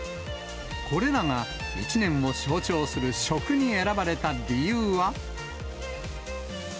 これらが一年を象徴する食に選ばれた理由は。